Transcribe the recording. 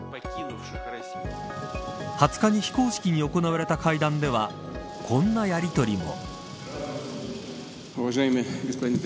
２０日に非公式に行われた会談ではこんなやりとりも。